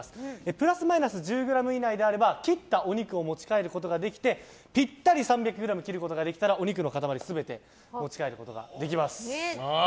プラスマイナス１０ｇ以内であれば切ったお肉を持ち帰ることができて３００ｇぴったりに切ることができればお肉の塊全て持ち帰ることができます。